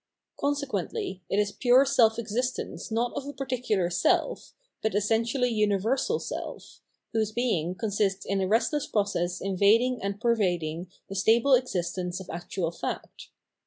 Consequently it is pure self existence not of a particular self, but essentially universal self, whose being consists in a restless process invading and pervading the stable existence of actual fact.